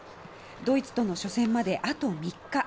ドイツとの初戦まであと３日。